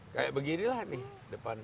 kayak beginilah nih depan